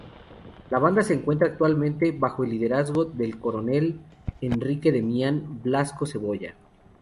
La banda se encuentra actualmente bajo el liderazgo del coronel Enrique Damián Blasco Cebolla.